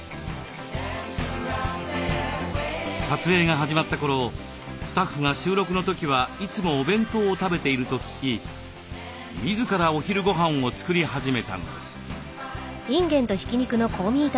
撮影が始まった頃スタッフが収録の時はいつもお弁当を食べていると聞き自らお昼ごはんを作り始めたのです。